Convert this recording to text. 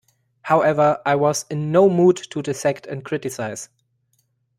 However, I was in no mood to dissect and criticize.